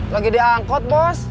lagi di angkot bos